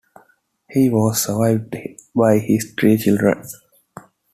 He was survived by his three children.